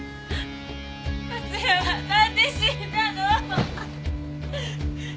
達也はなんで死んだの？